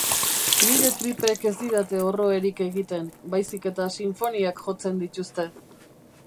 Niri tripek ez didate orroerik egiten, baizik eta sinfoniak jotzen dituzte.